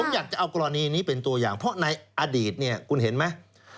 ผมอยากจะเอากรณีนี้เป็นตัวอย่างเพราะในอดีตเนี่ยคุณเห็นไหม